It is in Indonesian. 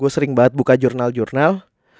sering banget buka jurnal jurnal